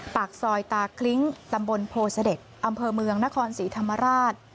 ปากซอยตาคลิ้งตำบลโพเสด็จอำเภอเมืองนครศรีธรรมราช